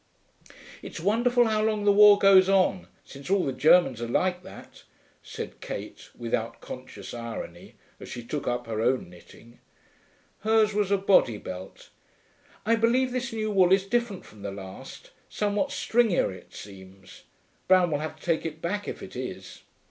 'It's wonderful how long the war goes on, since all the Germans are like that,' said Kate, without conscious irony, as she took up her own knitting. Hers was a body belt. 'I believe this new wool is different from the last. Somewhat stringier, it seems. Brown will have to take it back, if it is.'